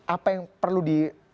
apa yang perlu diakselerasi oleh dpr